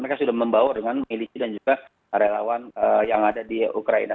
mereka sudah membawa dengan milisi dan juga relawan yang ada di ukraina